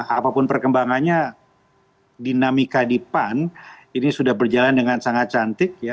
apapun perkembangannya dinamika di pan ini sudah berjalan dengan sangat cantik ya